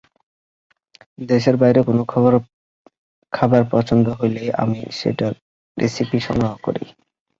দেশের বাইরে কোনো খাবার পছন্দ হলেই আমি সেটার রেসিপি সংগ্রহ করি।